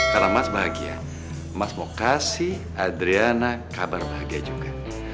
karena mas bahagia mas mau kasih adriana kabar bahagia juga